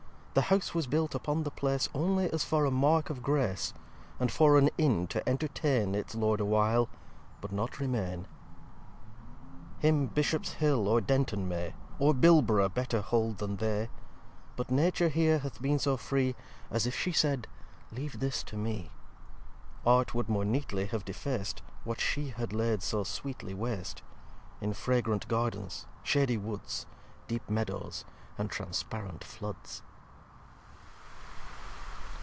The House was built upon the Place Only as for a Mark Of Grace; And for an Inn to entertain Its Lord a while, but not remain. x Him Bishops Hill, or Denton may, Or Bilbrough, better hold than they: But Nature here hath been so free As if she said leave this to me. Art would more neatly have defac'd What she had laid so sweetly wast; In fragrant Gardens, shaddy Woods, Deep Meadows, and transparent Floods.